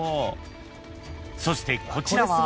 ［そしてこちらは］